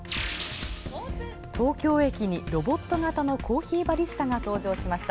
東京駅にロボット型のコーヒーバリスタが登場。